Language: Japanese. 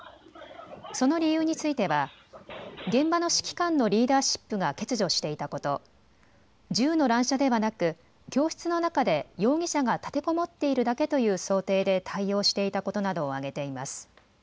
その理由については現場の指揮官のリーダーシップが欠如していたこと、銃の乱射ではなく教室の中で容疑者が立てこもっているだけという想定で対応していたことなどを挙げています。